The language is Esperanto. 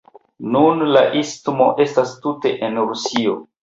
Nun la istmo estas tute en Rusio.